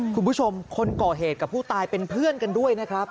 คนก่อเหตุกับผู้ตายเป็นเพื่อนกันด้วยนะครับ